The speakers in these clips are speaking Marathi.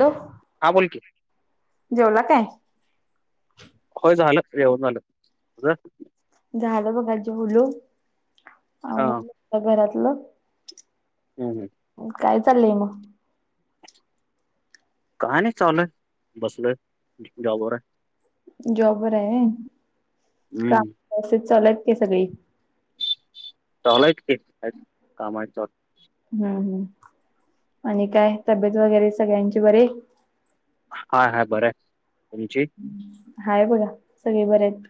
हॅलो. हा बोल की. जेवला काय? होय झालं, जेवन झालं, तुझं? झालं बघा जेवलो हा हम्म आवरल घरातलं. हम हं. काय चाललंय मग. काय नाही चालय बसलय जॉबवर आहे. जॉबर आहे व्हय. काम हम्म व्यवस्थित चालु आहेत का? सगळी. चलु हायत की कामयच. हम्म हम् आणि काय तब्येत वगैरे सगळ्यांची बरे. हा हाय बरं हे तुमची. हाय बघा सगळे बरे आहेत.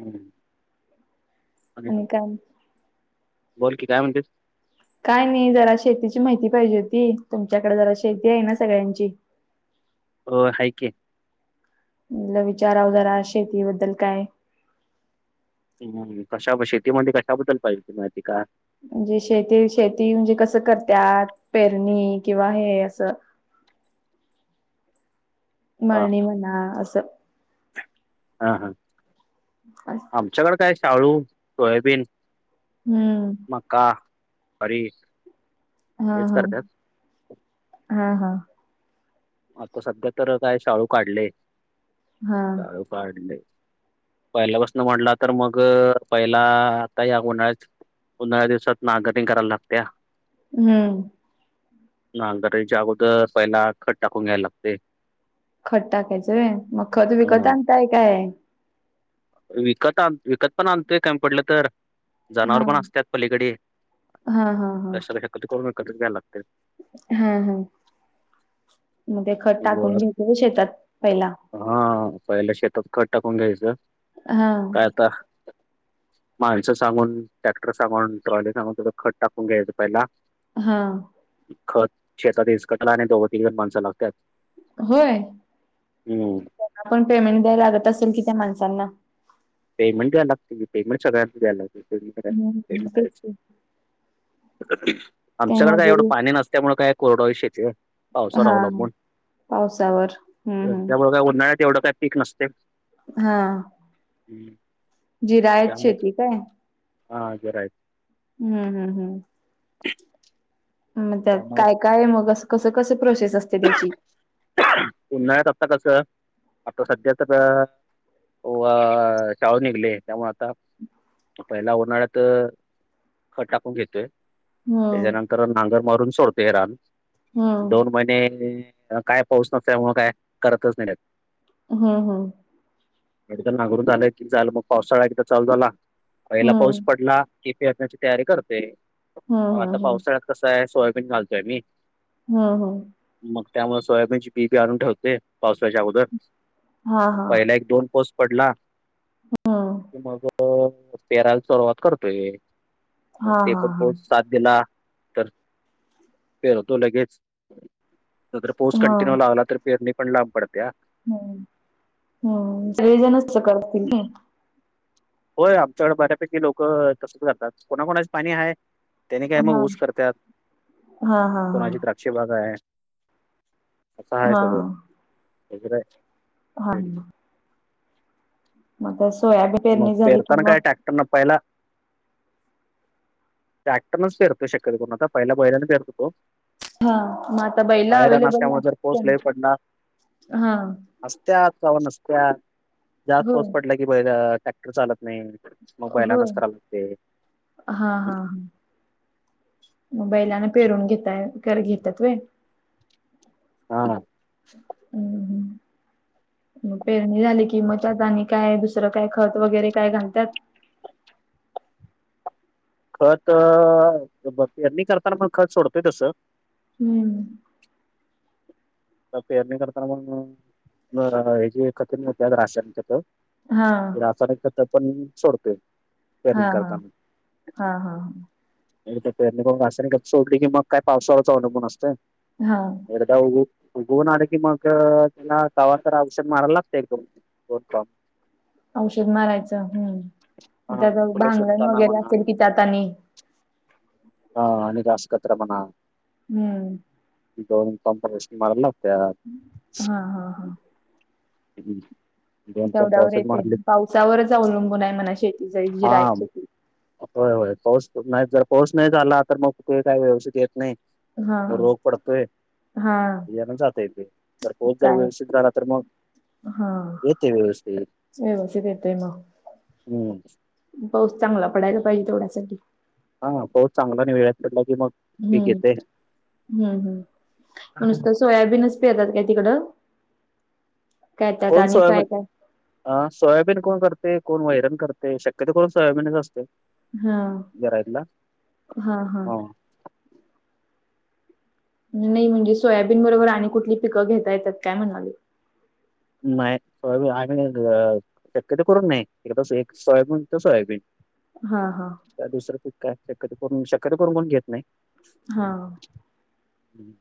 हम. आणि काम. बोल की काय म्हणतेस? काय नाही जरा शेतीची माहिती पाहिजे होती. तुमच्याकडे जरा शेती आहे ना सगळ्यांची. हो हाय के. म्हणल विचाराव जरा शेतीबद्दल काय? हम् कशा शेतीमध्ये कशाबद्दल पाहिजे माहिती का? म्हणजे शेती, शेती म्हणजे कसं करत्यात. पेरणी किंवा हे असं हा मळणी म्हणा असं. हा हा. [inaudible] आमच्याकड काय शाळू, सोयाबीन, हम्म मका अरी. हा-हा-हा-हा. आता सध्या तर काय शाळू काढलय, हा शाळू काढलय. पहिल्यापासन म्हटला तर मग पहिला, आता या उन्हाळ्यात. उन्हाळ्याच्या दिवसात नांगरणी करायला लागत्या ना. हम्म. नांगरणीच्याच्या अगोदर पहिला खत टाकून घ्यायला लागतंय. खत टाकायचं होय, मग खत विकत आणताय काय विकत आणतोय, विकत पण आणतोय कमी पडलं तर. हा जनावर पण असतात पलीकडे, हा हा तशा करूनच घ्यायला लागते. हां-हां मग ते खत गोळा टाकून घ्यायचं होय शेतात पहिला. हा पहिल्या शेतात खत टाकून घ्यायचं. हा. काय आता. माणसं सांगून, ट्रॅक्टर सांगून, ट्रॉली सांगून तेवढं खत टाकून घ्यायचं पहिला. हां. खत शेतात इसकटायला आणि दोघ- तिघ जण माणस लागत्यात. होय, त्यांना पण पेमेंट द्यायला लागत असेल कि त्या माणसांना. पेमेंट द्यायला लागतय की, पेमेंट सगळ्यांना द्यायला लागतंय, पैमेटच काय, हम्म पेमेंट तेच हायच. की ते आमच्याकड काय एवढं मजुरी पाणी नसल्यामुळ काय कोरडवाहू शेती हाय. पावसावर हा हा अवलंबून. पावसावर हम्म हम्म त्यामुळे काय उन्हाळ्यात एवढं काय पीक नसतय. हा. [inaudible] जिरायत शेती काय. हां जिरायत. हम्म- हम्म-हम्म. मग त्यात त्यामुळे काय काय मग अस कसं कसं प्रोसेस असते त्याची. उन्हाळ्यात आता कसं, आता सध्या तर व शाळू निघलय त्यामुळं आता पहिला उन्हाळ्यात खत टाकून घेतोय. हम्म त्याच्यानंतर नांगर मारून सोडतय रान. हं, दोन महिने काय पाऊस नसल्यामुळ, काय करतच नाही त्यात. हम्म-हम्म. एकदा नांगरून झालं की झालं मग, पावसाळा एकदा चालू झाला, पहिला पाऊस हं. पडला. पीक पेरण्याची तयारी करतोय. हं, मग हं, आता हं. पावसाळ्यात कस आहे सोयाबीन घालतोय आम्ही. हो- हो. मग त्यामुळे सोयाबीनची बी-बी आणून ठेवतय पावसाळ्याच्या अगोदर. हां, हां. पहिला एक दोन पाऊस पडला हं. की मग पेरायला सुरुवात करतोय. मग हां, ते हां, पण हां. पाऊस साथ दिला तर पेरतो लगेच. सदर पोस हां. कंटिन्यू लावला तर पेरणी पण लांब पडत्या हम्म हम्म सगळे जणच तसं करतात की नाही. होय आमच्याकड बऱ्यापैकी लोक तसंच करतात कोणाकोणाचे पाणी आहे त्याने काय मग हां. ऊस करतात हां, हां, हां. कोणाची काय अशी बाग आहे असं आहे सगळं [unintelligible] हा. मग सोयाबी पेरणी झाली कि मग त्यांना पहिला ट्रॅक्टरनच पेरतो शक्यत पण आता, पहिला बैलाने पेरत होतो. हा मग आता बैल पायऱ्या अवेलेबल नसल्यामुळे जर असते, पाऊस लय पडला हा. असत्यात कवा नसत्यात जास्त होय. पाऊस पडला की बैल ट्रॅक्टर चालत नाही. मग बैलानाच कराव लागते. हा हा मग बैलान पेरून घेताय कर घेतात व्हय. हां. हम्म. म पेरणी झाली की मग त्यात आणि काय दुसरं काय खत वगैरे काय घालतात. खत पेरणी करताना पण खत सोडतोय तसं. हम्म. तर पेरणी करताना मग [unintelligible] हा. रासायनिक खत पण सोडते. हा हा हा हा. हे त्यांनी मग रासायनिक खा सोडली की मग काय पावसावरच अवलंबून असतं. हा. एकदा उगू उगवून आलं की मग त्यांना तवा तर औषण मारायला लागतय एक दोन होत औषध मारायचं हम्म मग हा त्यात फुलं भांगलण सुटताना वगैरे म्हणा असेल कि त्यात आणि हा आणि जास्त प्रमाणात. हम्म. [unintelligible] त्याला हां, हां, हां. हम्म. तेवड्यावर येते पावसावरच अवलंबून आहे म्हणा शेती ज जी हा राय शेती होय होय पाऊस नाही जर पाऊस नाही झाला तर मग ते काही व्यवस्थित येत नाही. हां, रोग पडतय. हां. ह्यान जातय ते तर पाऊस जर व्यवस्थित राहिला तर मग हा येते व्यवस्थित व्यवस्थित येतंय मग. हम्म पाऊस चांगला पडायला पाहिजे तेवढ्या साठी. हा पाऊस चांगला आणि वेळात पडला की मग हम्म पीक येते हम्म हम्म हम्म म नुसतं सोयाबीनच पेरतात काय तिकडं काय त्यात कोण आणि सोया काय बीन. काय? हा सोयाबीन कोण करते. कोण वैरण करते. शक्यतो करून सोयाबीनच असते. हा घरातला हा हा. नाही म्हणजे सोयाबीन बरोबर आणि कुठली पिकं घेता येतात काय म्हणालोय. नाही. सोया [unintelligible] शक्यतो करून नाही, एक कस एक सोयाबीन तर सोयाबीन. हा हा काय दुसरं पीक काय शक्य शक्यतो करून कोण घेत नाही. हा. हम्म.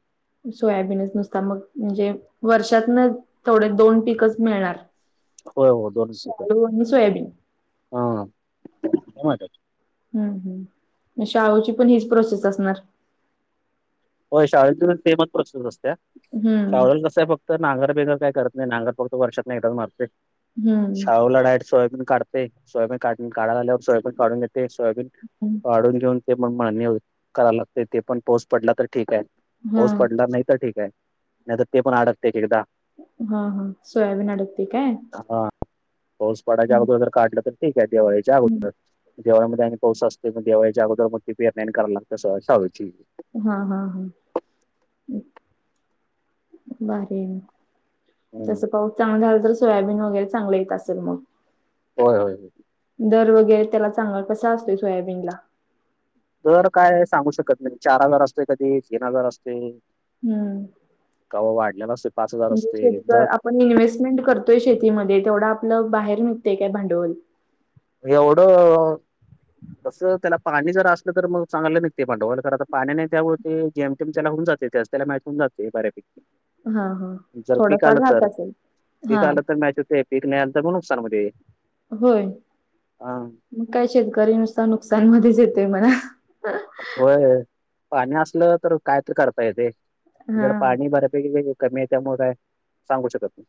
सोयाबीनच नुसता मग म्हणजे वर्षातन थोडे दोन पीकच मिळणार. होय हो शाळु आणि सोयाबीन. हा. काय [unintelligible] हम् हम् शालूची पण हीच प्रोसेस असणार. [unintelligible] तर हम्म नांगर बिगर काय करत नाही. नांगर फक्त वर्षातून एकदाच मारते. हम्म शाळुला डायरेक्ट सोयाबीन काढत- ते सोयाबीन काढ काढायला आल्यावर सोयाबीन काढून घेते. सोयाबीन हम्म काढून घेऊन ते पण मळणी करा लागते ते पण पाऊस पडला तर ठीक आहे. हा पाऊस पडला नाही तर ठीक आहे. नाही तर ते पण अडकते एकदा. हा हा सोयाबीन अडकते काय हा पाऊसपाडाच्या हम्म, अगोदर जर काढलं तर ठीक आहे दिवाळीच्या हम्म. अगोदर. दिवाळीमध्ये आणि पाऊस असतोय मग दिवाळीच्या अगोदर मगत्या पेरण्या कराय लागत्यात शाळूची. हा हा हा भारी आहे ना. हम्म. जसं पाऊस चांगला झालं तर सोयाबीन वगैरे चांगलं येत असेल मग होय होय. दर वगैरे त्याला चांगला कसा असतोय सोयाबीनला. दर काय सांगू शकत नाही चार हजार असतोय कधी तीन हजार असते. हम्म‌. का ओ वाढल्यात अस. म्हणजे शेतीच आपण इन्व्हेस्टमेंट करतोय शेतीमध्ये तेवढं आपलं बाहेर निघतय काय भांडवल एवढं तसं त्याला पाणी जर असलं तर मग चांगलं निघते भांडवल. तर पाणी नाही त्यामुळे, ते जेम तेम त्याला होऊ जाते तेच त्याला मॅच होउन जाते बऱ्यापैकी. हां हां. जर पीक थोडंफार आलं राहत तर. असेल? पीक हां, आलं तर मॅच [unintelligible] ते पिक नाहीं आलं तर मग [unintelligible] नुकसान मध्ये. होय. हा मग काय शेतकरी नुसता नुकसान मध्येच येतेय म्हणा. होय. पाणी असलं तर कायतरी करता येत धड हां. पाणी बऱ्यापैकी कमी आहे त्यामुळे काय सांगू शकत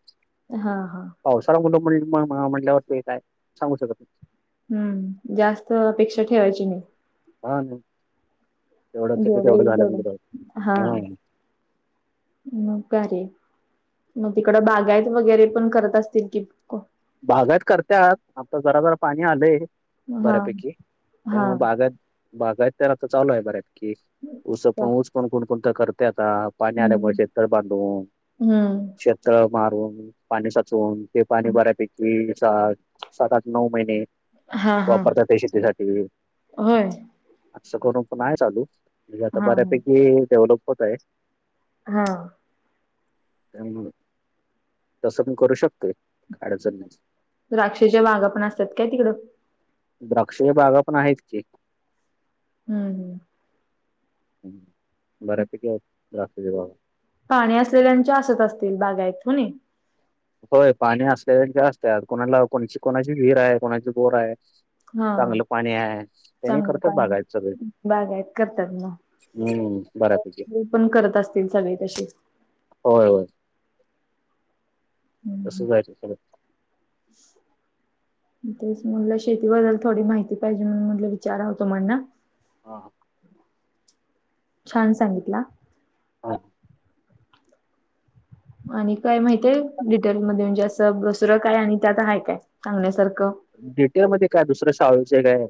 हा हा [unintelligible] पावसाळा कुटुं म्हटल्यावर ते काय सांगू शकत नाही. हम्म जास्त अपेक्षा ठेवायची नाही. हा ना जेवढ येईल झालं. तेवढं हा हम्म म का रे मग तिकडं बागायत वगैरे पण करत असतील कि बागात करतत आता जरा जरा पाणी आलंय हां. बऱ्यापैकी त्यामुळे हां. बागात बाघायत तर आता चालू आहे बऱ्या पैकी उस अच्छा. ऊस पण कोणकण तर करते आता पाणी आल्यामुळे हम्म, शेत बांधवून हम्म. शेतळ मारून पाणी साचवून ते पाणी बऱ्यापैकी सात आठ नऊ महिने हां हां, वापरतातात ते शेतीसाठी. होय. असं करून पण आहे चालू म्हणजे आता हां हां. बऱ्यापैकी डेव्हलप होत आहे. हा. त्यामुळं तसं पण करू शकतोय काय अडचण नाही. द्राक्षच्या बागा पण असतात काय तिकडं? द्राक्षच्या बागा पण आहेत की. हम्म. बऱ्यापैकी आहेत द्राक्षाच्या बागा. पाणी असलेल्यांच्या असत असतील बागयत हो नी? होय पाणी असल्यालांच्या असत्यात कोणाला कोणाची कोणाची विहीर आहे कोणाची बोर आहे. हा चांगलं पाणी आहे त्यांनी चांगलं करतात बागायत सगळी. पाणी बागायत करतात मग. हम्म बऱ्यापैकी हे पण करत असतील सगळे तसे. होय होय. हम्म. तसं आहे ते खरं. [unintelligible] तेच म्हणलं शेतीबद्दल थोडी माहिती पाहिजे म्हणून म्हणलं विचारावं तुम्हाला. हा हा. छान सांगितला. हा. आणि काय माहित आहे? डिटेल मध्ये म्हणजे असं दुसरं काय आणि त्यात आहे काय सांगण्यासारखं? डिटेल मध्ये काय दुसरं शाळुचं एक आहे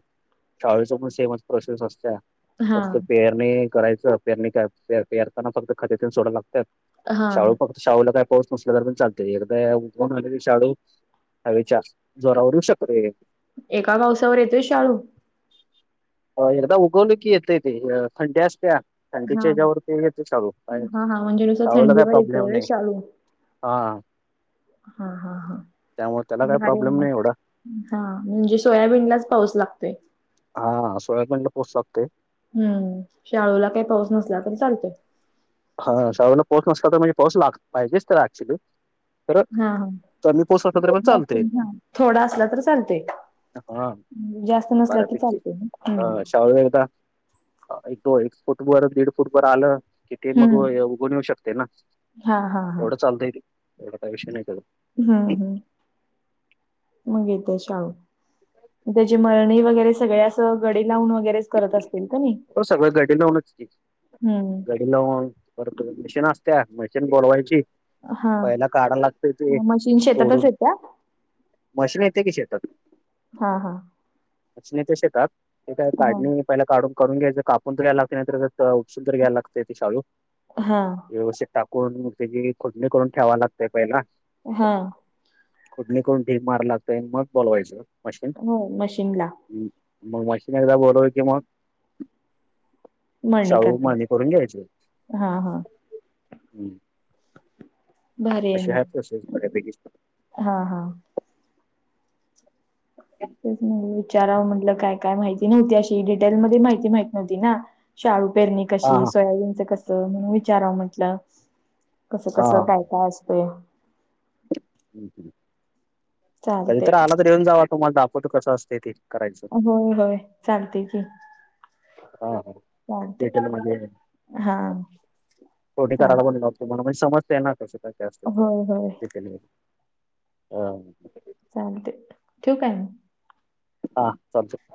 शाळुचं पण सेमच प्रोसेस असत्या. हा फक्त पेरणी करायचं पेरणी काय पेर पेरताना फक्त खते ती न सोडवी लागत्यात. हा शाळू फक्त शाळूला काय पाऊस नसला तरी पण चालते, एकदा उगवून आले की शाळू हवेच्या जोरावर येऊ शकते. एका पावसावर येतोय शाळू? हो एकदा उगवलं की येतंय ते फांटी असत्या. हा थंडीच्या हेच्यावरती येतं शाळू काय, हा हा म्हणजे नुसतं शाळूला काय थंडीवर येतोय प्रॉब्लेम व्हय नाही. शाळू? हा. हा हा हा त्यामुळे त्याला काही भारीय प्रॉब्लेम मग. नाही एवढा हा म्हणजे सोयाबीनलाच पाऊस लागतोय? हा सोयाबीनला पाऊस लागतोय. हम्म शाळूला काय पाऊस नसला तरी चालते. हा शाळूला पाऊस नसला तर म्हणजे पाऊस लाग पाहिजेच त्याला ऍक्च्युली. तर हा कमी पाऊस हा असला तरी पण चालतय [unintelligible] थोडा असला तर चालते? हा. जास्त नसला की चालते हम्म. हा शाळू एकदा एक तो एक फुटवर दीड फुटवर आलं कि ते मग हम्म उगवून येऊ शकते ना, हा हा हा एवढं चालतंय ते एवढा काही विषय नाही त्याचा. हम्म हम्म. मग येते शाळू. मग त्याची मळणी वगैरे सगळे असं गडी लावून वगैरे करत असतील क नी? हो सगळं गडी लावूनच हम्म. [unintelligible] मशीन असत्या मशीन बोलवायची. हा पहिला काढा लागतंय ते मशीन शेतातच तोडून, येत्या. मशीन येते की शेतात. हा हा. मशीन येते शेतात. ते काय हा काढणे पहिला काढून करून घ्यायचं कापून तर घ्यायला लागत नाही तर उपसून तर घ्यायला लागते ते शाळू. हां. व्यवस्थित टाकून त्याची खुडणी करून ठ्यावा लागतय पहिला. हां. खुडणी करून ढीग मार लागतय मग बोलवायचं मशीन. हो मशीन ला. हम्म मग मशीन एकदा बोलवली की मग शाळू मळणी करून घ्यायच हा हा हम्म. अशी हाय प्रोसेस बऱ्यापैकी. हां हां. तेच म्हटलं विचाराव म्हणल काय काय माहिती नव्हती अशी डिटेल मध्ये माहिती माहित नव्हती ना. शाळू पेरणी हा कशी, हा सोयाबीनच कसं म्हणून विचाराव म्हटलं. कसं हा कसं हा. काय काय असतंय. कधी चालते तर आला तर येऊन जावा तुम्हाला दाखवतो कसं असतय ते. करायचं होय होय चालतय की. हा हा चालते डिटेल मध्ये हा [unintelligible] चालते तुमाला मजी समजतय ना कस काय काय असत. होय होय. डिटेल [unintelligible] चालतय ठिऊ काय मग? हा चालतंय.